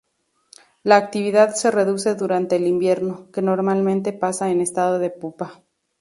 La actividad se reduce durante el invierno, que normalmente pasa en estado de pupa.